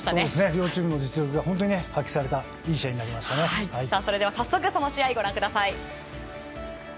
両チームの実力が本当に発揮されたそれでは早速その試合をご覧ください。